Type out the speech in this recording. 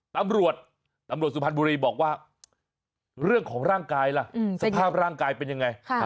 ตำรวจตำรวจสุพรรณบุรีบอกว่าเรื่องของร่างกายล่ะสภาพร่างกายเป็นยังไง